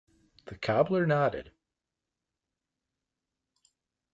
‘The cobbler nodded.